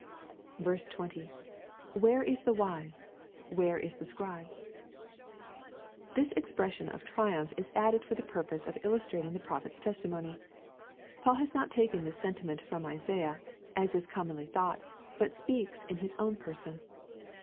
20. Where is the wise ? where is the scribe ? This expres sion of triumph is added for the purpose of illustrating the Prophet's testimony. Paul has not taken this sentiment from Isaiah, as is commonly thought, but speaks in his own person.